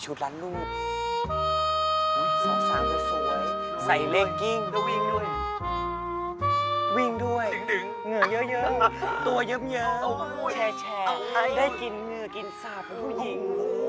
แชร์วิคุณได้กินเหงือกินซาปผู้หญิง